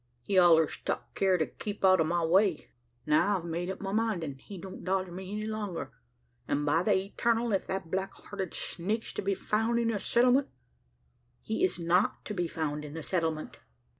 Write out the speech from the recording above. He allers tuk care to keep out o' my way. Now I've made up my mind he don't dodge me any longer; an', by the Etarnal! if that black hearted snake's to be foun' in the settlement " "He is not to be found in the settlement."